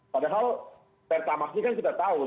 padahal pertamax ini kan kita tahu